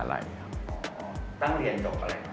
ตั้งเรียนจบอะไรครับ